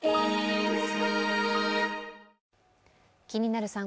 「気になる！